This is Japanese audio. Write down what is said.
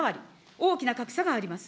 大きな格差があります。